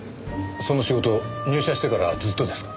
その仕事入社してからずっとですか？